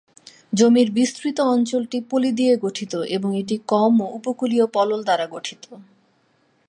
জমির বিস্তৃত অঞ্চলটি পলি দিয়ে গঠিত এবং এটি কম ও উপকূলীয় পলল দ্বারা গঠিত।